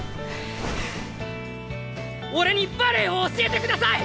俺にバレエを教えてください！